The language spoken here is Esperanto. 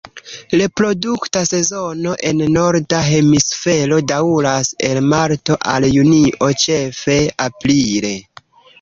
Reprodukta sezono en norda hemisfero daŭras el marto al junio, ĉefe aprile.